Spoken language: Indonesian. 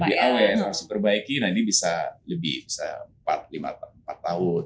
lebih awet harus diperbaiki nah ini bisa lebih bisa empat lima tahun